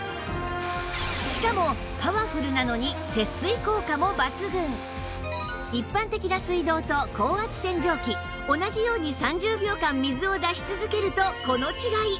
しかも一般的な水道と高圧洗浄機同じように３０秒間水を出し続けるとこの違い